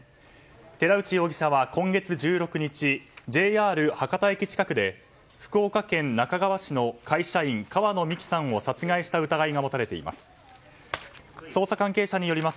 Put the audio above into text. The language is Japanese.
寺内容疑者は今月１６日ＪＲ博多駅近くで福岡県那珂川市の会社員川野美樹さんを殺害した疑いが持たれています。